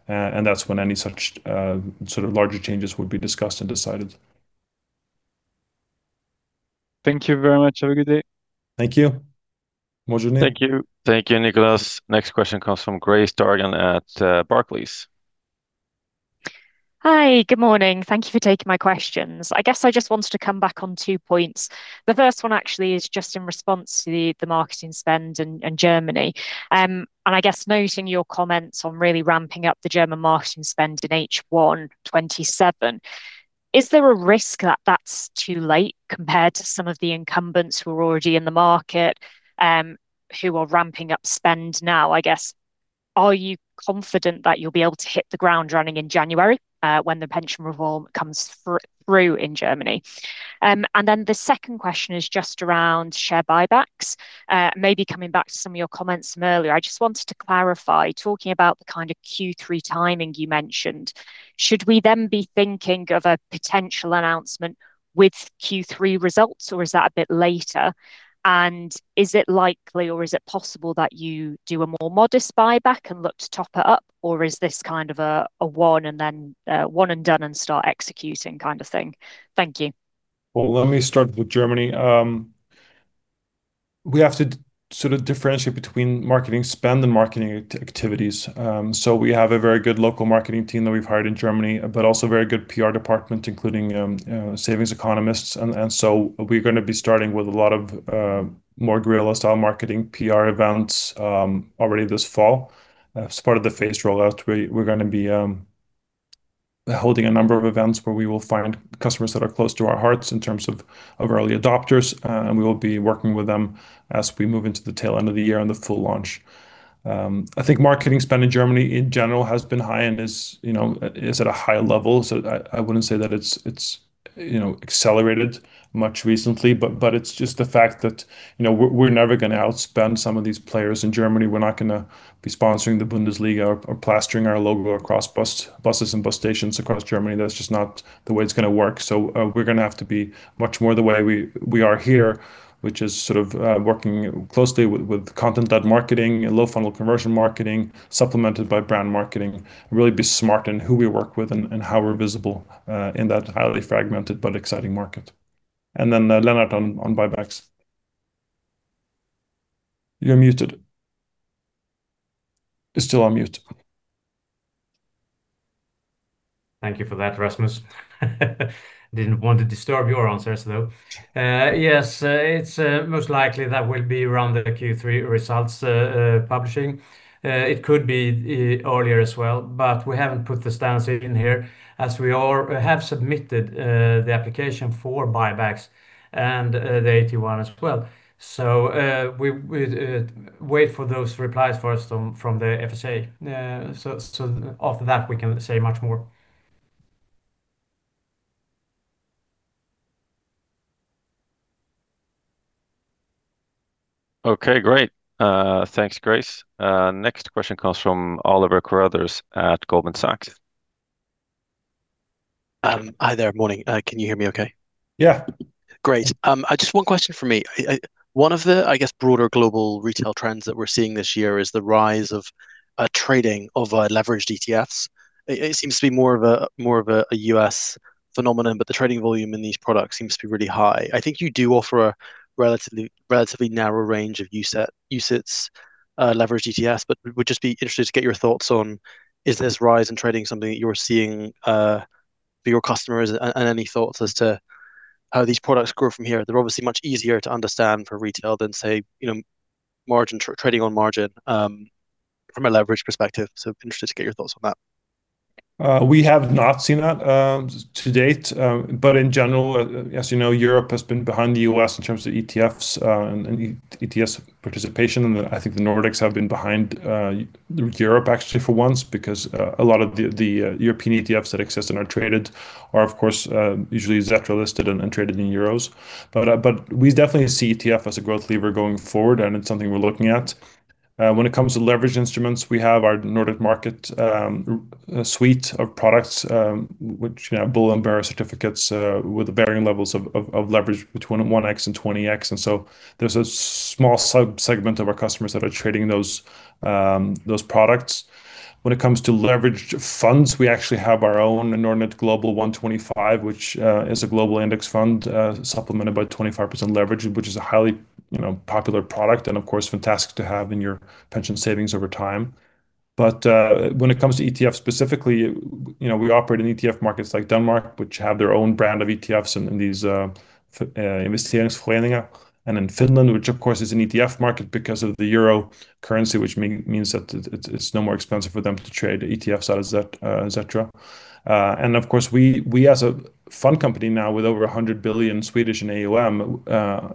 That's when any such larger changes would be discussed and decided. Thank you very much. Have a good day. Thank you. Thank you. Thank you, Nicolas. Next question comes from Grace Dargan at Barclays. Hi. Good morning. Thank you for taking my questions. I guess I just wanted to come back on two points. The first one actually is just in response to the marketing spend in Germany, noting your comments on really ramping up the German marketing spend in H1 2027. Is there a risk that that's too late compared to some of the incumbents who are already in the market, who are ramping up spend now, I guess. Are you confident that you'll be able to hit the ground running in January when the pension reform comes through in Germany? The second question is just around share buybacks. Maybe coming back to some of your comments from earlier. I just wanted to clarify, talking about the kind of Q3 timing you mentioned, should we then be thinking of a potential announcement with Q3 results, or is that a bit later? Is it likely or is it possible that you do a more modest buyback and look to top it up? Is this kind of a one and done and start executing kind of thing? Thank you. Well, let me start with Germany. We have to differentiate between marketing spend and marketing activities. We have a very good local marketing team that we've hired in Germany, but also very good PR department, including savings economists. We're going to be starting with a lot of more guerrilla style marketing PR events already this fall. As part of the phased rollout, we're going to be holding a number of events where we will find customers that are close to our hearts in terms of early adopters, we will be working with them as we move into the tail end of the year and the full launch. I think marketing spend in Germany in general has been high and is at a high level. I wouldn't say that it's accelerated much recently, but it's just the fact that we're never going to outspend some of these players in Germany. We're not going to be sponsoring the Bundesliga or plastering our logo across buses and bus stations across Germany. That's just not the way it's going to work. We're going to have to be much more the way we are here, which is working closely with content marketing, low funnel conversion marketing, supplemented by brand marketing, really be smart in who we work with and how we're visible in that highly fragmented but exciting market. Lennart on buybacks. You're muted. You're still on mute. Thank you for that, Rasmus. Didn't want to disturb your answers, though. Yes, it's most likely that will be around the Q3 results publishing. It could be earlier as well, but we haven't put the stance in here as we have submitted the application for buybacks and the AT1 as well. We wait for those replies first from the FSA. After that, we can say much more. Okay, great. Thanks, Grace. Next question comes from Oliver Carruthers at Goldman Sachs. Hi there. Morning. Can you hear me okay? Yeah. Great. Just one question from me. One of the broader global retail trends that we're seeing this year is the rise of trading of leveraged ETFs. It seems to be more of a U.S. phenomenon, but the trading volume in these products seems to be really high. I think you do offer a relatively narrow range of UCITS leveraged ETFs. Would just be interested to get your thoughts on, is this rise in trading something that you're seeing for your customers and any thoughts as to how these products grow from here? They're obviously much easier to understand for retail than say trading on margin from a leverage perspective. Interested to get your thoughts on that. We have not seen that to date. In general, as you know, Europe has been behind the U.S. in terms of ETFs and ETFs participation. I think the Nordics have been behind Europe actually for once, because a lot of the European ETFs that exist and are traded are of course usually Xetra listed and traded in EUR. We definitely see ETF as a growth lever going forward, and it's something we're looking at. When it comes to leverage instruments, we have our Nordic market suite of products, which bull and bear certificates with varying levels of leverage between 1X and 20X. There's a small subsegment of our customers that are trading those products. When it comes to leveraged funds, we actually have our own Nordnet Global Index 125, which is a global index fund supplemented by 25% leverage, which is a highly popular product and of course fantastic to have in your pension savings over time. When it comes to ETF specifically, we operate in ETF markets like Denmark, which have their own brand of ETFs and these and in Finland, which of course is an ETF market because of the EUR currency, which means that it's no more expensive for them to trade ETFs et cetera. Of course we as a fund company now with over 100 billion in AUM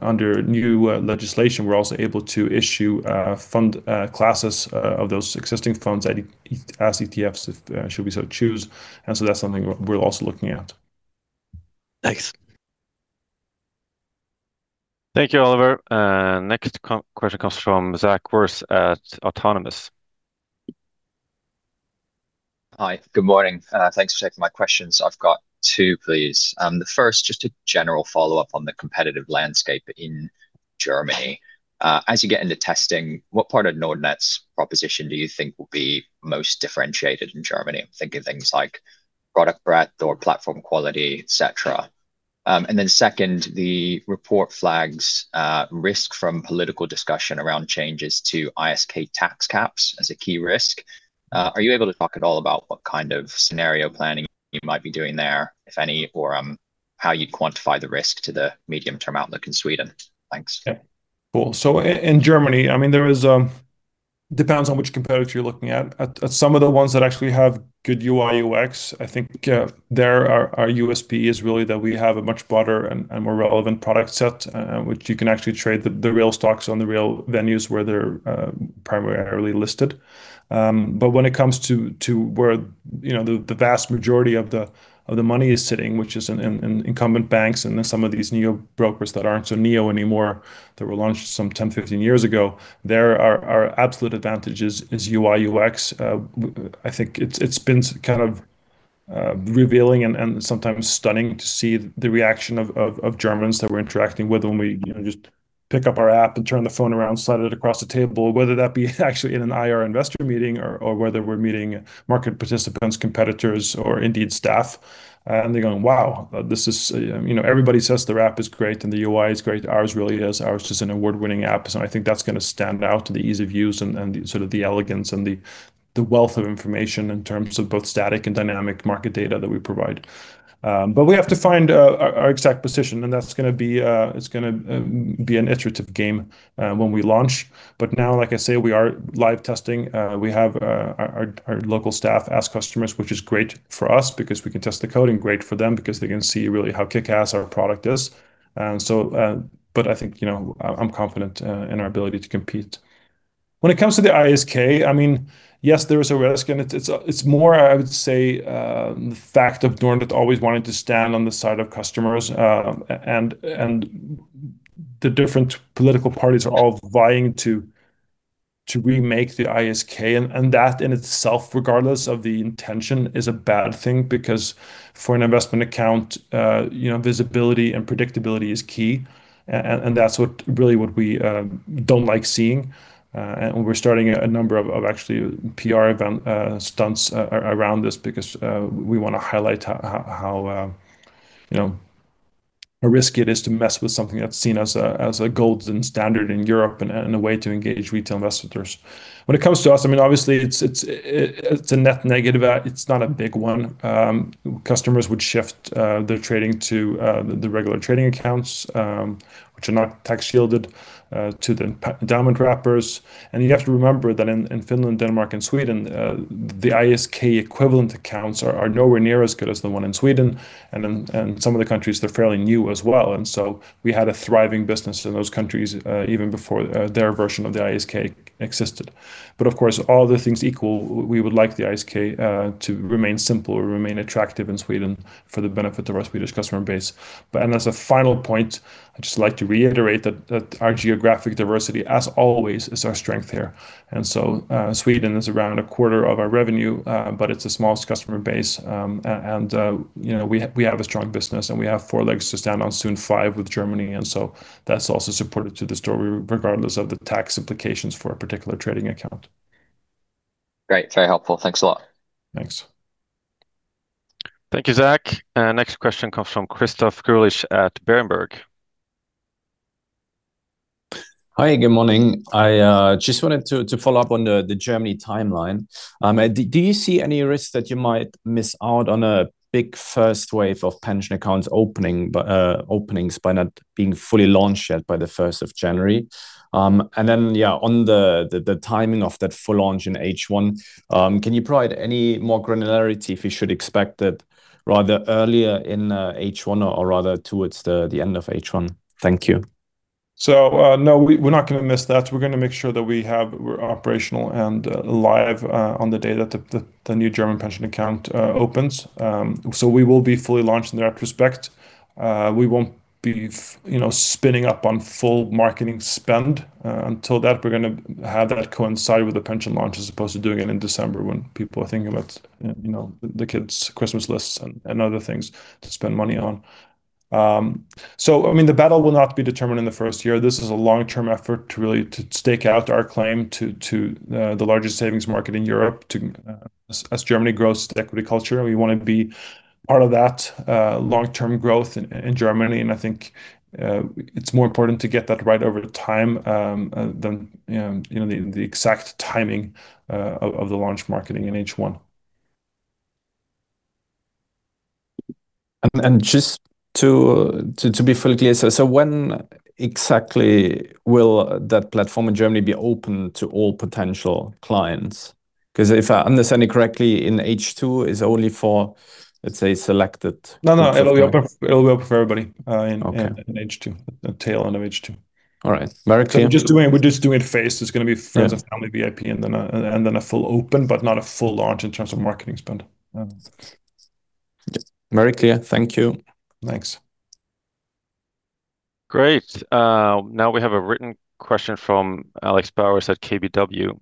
under new legislation, we're also able to issue fund classes of those existing funds as ETFs should we so choose. That's something we're also looking at. Thanks. Thank you, Oliver. Next question comes from Zach Wurz at Autonomous. Hi. Good morning. Thanks for taking my questions. I've got two, please. The first, just a general follow-up on the competitive landscape in Germany. As you get into testing, what part of Nordnet's proposition do you think will be most differentiated in Germany? I'm thinking things like product breadth or platform quality, et cetera. Then second, the report flags risk from political discussion around changes to ISK tax caps as a key risk. Are you able to talk at all about what kind of scenario planning you might be doing there, if any, or how you'd quantify the risk to the medium-term outlook in Sweden? Thanks. Yeah. Cool. In Germany, it depends on which competitor you're looking at. At some of the ones that actually have good UI/UX, I think our USP is really that we have a much broader and more relevant product set, which you can actually trade the real stocks on the real venues where they're primarily listed. When it comes to where the vast majority of the money is sitting, which is in incumbent banks and some of these neo brokers that aren't so neo anymore, that were launched some 10, 15 years ago, our absolute advantage is UI/UX. I think it's been revealing and sometimes stunning to see the reaction of Germans that we're interacting with when we just pick up our app and turn the phone around, slide it across the table, whether that be actually in an IR investor meeting or whether we're meeting market participants, competitors, or indeed staff, and they're going, "Wow." Everybody says the app is great and the UI is great. Ours really is. Ours is an award-winning app, and I think that's going to stand out, the ease of use and the elegance and the wealth of information in terms of both static and dynamic market data that we provide. We have to find our exact position, and that's going to be an iterative game when we launch. Now, like I say, we are live testing. We have our local staff ask customers, which is great for us because we can test the code, and great for them because they can see really how kickass our product is. I think, I'm confident in our ability to compete. When it comes to the ISK, yes, there is a risk, and it's more, I would say, the fact of Nordnet always wanting to stand on the side of customers. The different political parties are all vying to remake the ISK. That in itself, regardless of the intention, is a bad thing because for an investment account, visibility and predictability is key, and that's really what we don't like seeing. We're starting a number of actually PR stunts around this because we want to highlight how risky it is to mess with something that's seen as a golden standard in Europe and a way to engage retail investors. When it comes to us, obviously it's a net negative. It's not a big one. Customers would shift their trading to the regular trading accounts, which are not tax shielded, to the diamond wrappers. You have to remember that in Finland, Denmark and Sweden, the ISK equivalent accounts are nowhere near as good as the one in Sweden. In some of the countries, they're fairly new as well, so we had a thriving business in those countries, even before their version of the ISK existed. Of course, all other things equal, we would like the ISK to remain simple and remain attractive in Sweden for the benefit of our Swedish customer base. As a final point, I'd just like to reiterate that our geographic diversity, as always, is our strength here. Sweden is around a quarter of our revenue, but it's the smallest customer base. We have a strong business, and we have four legs to stand on, soon five with Germany, so that's also supported to the story regardless of the tax implications for a particular trading account. Great. Very helpful. Thanks a lot. Thanks. Thank you, Zach. Next question comes from Christoph Greulich at Berenberg. Hi. Good morning. I just wanted to follow up on the Germany timeline. Do you see any risks that you might miss out on a big first wave of pension account openings by not being fully launched yet by the 1st of January? Then, yeah, on the timing of that full launch in H1, can you provide any more granularity if we should expect it rather earlier in H1 or rather towards the end of H1? Thank you. No, we're not going to miss that. We're going to make sure that we're operational and live on the day that the new German pension account opens. We will be fully launched in that respect. We won't be spinning up on full marketing spend until that. We're going to have that coincide with the pension launch as opposed to doing it in December when people are thinking about the kids' Christmas lists and other things to spend money on. The battle will not be determined in the first year. This is a long-term effort to stake out our claim to the largest savings market in Europe. As Germany grows to equity culture, we want to be part of that long-term growth in Germany, and I think it's more important to get that right over time, than the exact timing of the launch marketing in H1. Just to be fully clear, when exactly will that platform in Germany be open to all potential clients? If I understand it correctly, in H2, it's only for, let's say, selected- No. It'll be open for everybody- Okay. in H2, the tail end of H2. All right. Very clear. We're just doing phases. It's going to be friends and family, VIP, and then a full open, but not a full launch in terms of marketing spend. Oh, thanks. Very clear. Thank you. Thanks. Great. We have a written question from Alex Bowers at KBW.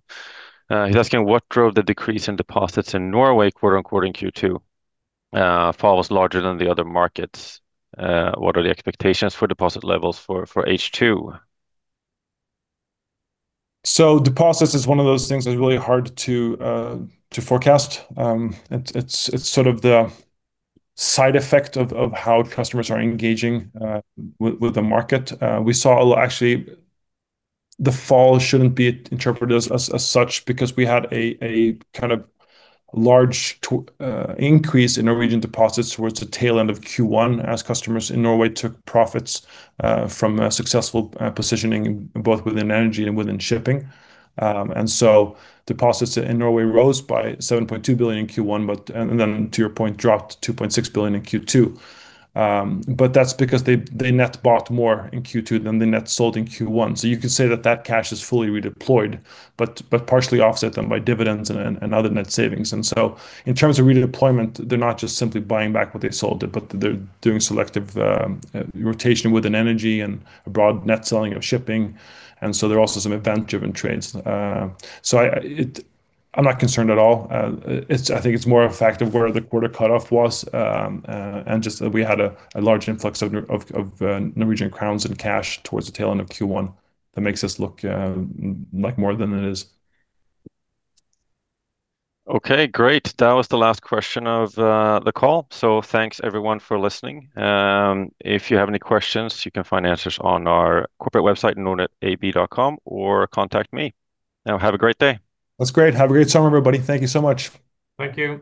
He's asking what drove the decrease in deposits in Norway quarter-on-quarter in Q2. Fall was larger than the other markets. What are the expectations for deposit levels for H2? Deposits is one of those things that's really hard to forecast. It's sort of the side effect of how customers are engaging with the market. We saw actually the fall shouldn't be interpreted as such, because we had a kind of large increase in Norwegian deposits towards the tail end of Q1 as customers in Norway took profits from successful positioning, both within energy and within shipping. Deposits in Norway rose by 7.2 billion in Q1, then to your point, dropped 2.6 billion in Q2. That's because they net bought more in Q2 than they net sold in Q1. You could say that that cash is fully redeployed, but partially offset then by dividends and other net savings. In terms of redeployment, they're not just simply buying back what they sold it, but they're doing selective rotation within energy and a broad net selling of shipping. There are also some event-driven trades. I'm not concerned at all. I think it's more a fact of where the quarter cutoff was, and just that we had a large influx of Norwegian crowns and cash towards the tail end of Q1 that makes this look like more than it is. Okay, great. That was the last question of the call. Thanks everyone for listening. If you have any questions, you can find answers on our corporate website, nordnetab.com, or contact me. Have a great day. That's great. Have a great summer, everybody. Thank you so much. Thank you